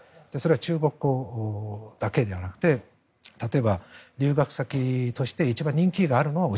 中国語だけではなくて例えば、留学先として一番人気があるのが内